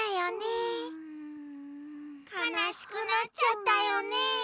かなしくなっちゃったよね。